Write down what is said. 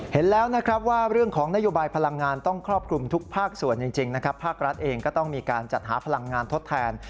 เห็นแล้วนะครับว่าเรื่องของนโยบายพลังงานต้องครอบคลุมทุกภาคส่วนจริงนะครับภาครัฐเองก็ต้องมีการจัดหาพลังงานทดแทน